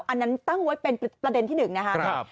อันนั้นตั้งไว้เป็นประเด็นที่๑นะครับ